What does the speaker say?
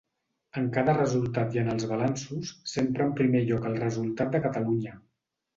En cada resultat i en els balanços, sempre en primer lloc el resultat de Catalunya.